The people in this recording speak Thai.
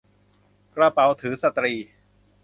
กระเป๋าถือสตรี